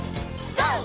ＧＯ！